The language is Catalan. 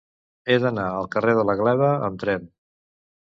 He d'anar al carrer de la Gleva amb tren.